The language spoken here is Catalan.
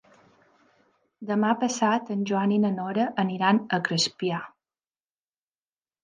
Demà passat en Joan i na Nora aniran a Crespià.